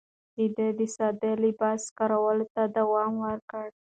ده د ساده لباس کارولو ته دوام ورکړ.